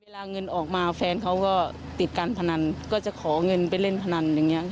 เงินออกมาแฟนเขาก็ติดการพนันก็จะขอเงินไปเล่นพนันอย่างนี้